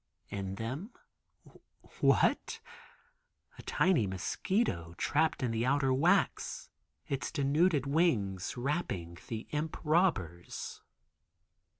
In them, what? A giant mosquito trapped in the outer wax, its denuded wings wrapping the imp robbers.